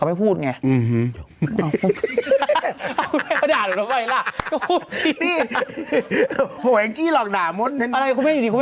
ก็พูดจริง